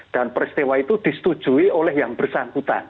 dan peristiwa itu disetujui oleh yang bersangkutan